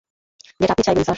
যেটা আপনি চাইবেন, স্যার।